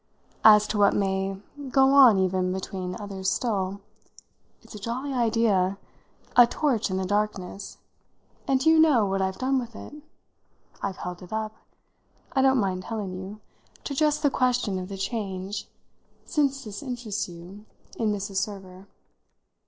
"As to what may go on even between others still. It's a jolly idea a torch in the darkness; and do you know what I've done with it? I've held it up, I don't mind telling you, to just the question of the change, since this interests you, in Mrs. Server.